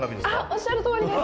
おっしゃるとおりです。